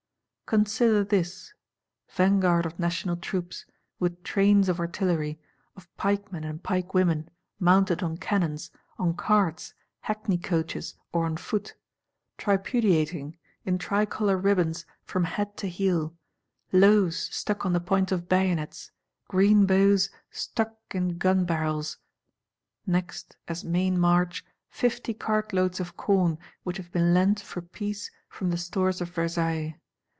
Consider this: Vanguard of National troops; with trains of artillery; of pikemen and pikewomen, mounted on cannons, on carts, hackney coaches, or on foot;—tripudiating, in tricolor ribbons from head to heel; loaves stuck on the points of bayonets, green boughs stuck in gun barrels. Next, as main march, "fifty cartloads of corn," which have been lent, for peace, from the stores of Versailles.